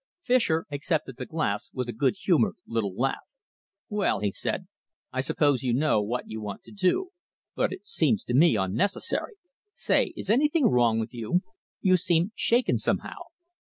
Fischer accepted the glass with a good humoured little laugh. "Well," he said, "I suppose you know what you want to do, but it seems to me unnecessary. Say, is anything wrong with you? You seem shaken, somehow."